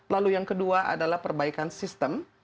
lalu yang kedua adalah perbaikan sistem